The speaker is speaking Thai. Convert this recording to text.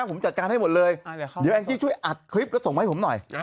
ผมจัดการให้หมดเลยเดี๋ยวแองจี้ช่วยอัดคลิปแล้วส่งมาให้ผมหน่อย